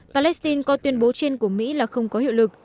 palestine có tuyên bố trên của mỹ là không có hiệu lực